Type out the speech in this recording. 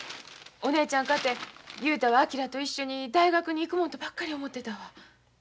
お姉ちゃんかて雄太は昭と一緒に大学に行くもんとばっかり思てたわ。